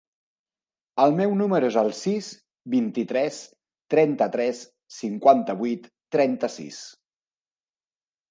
El meu número es el sis, vint-i-tres, trenta-tres, cinquanta-vuit, trenta-sis.